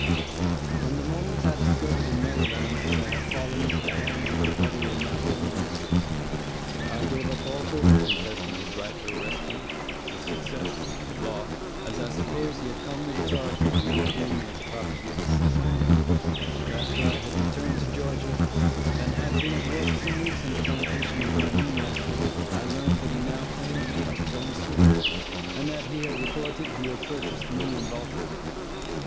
From the moment I discovered in Maryland, that I had fallen into the hands of the brother of my former mistress, I gave up all hope of contesting his right to arrest me, with success, at law, as I supposed he had come with authority to reclaim me as the property of his sister; but after I had returned to Georgia, and had been at work some weeks on the plantation of my new master, I learned that he now claimed me as his own slave, and that he had reported he had purchased me in Baltimore.